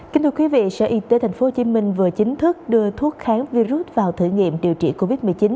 kính thưa quý vị sở y tế tp hcm vừa chính thức đưa thuốc kháng virus vào thử nghiệm điều trị covid một mươi chín